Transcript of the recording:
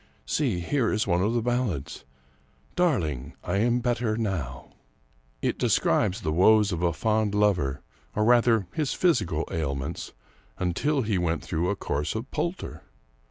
See, here is one of the ballads :' Darling, 303 English Mystery Stories I am better now/ It describes the woes of a fond lover, or rather his physical ailments, until he went through a course of Poulter.